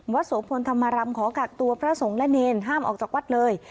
โสพลธรรมรำขอกักตัวพระสงฆ์และเนรห้ามออกจากวัดเลย